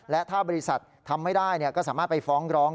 และถ้าบริษัททำไม่ได้ก็สามารถไปฟ้องร้อง